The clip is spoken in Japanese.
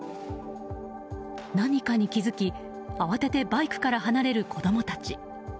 何かに気づき慌ててバイクから離れる子供たち。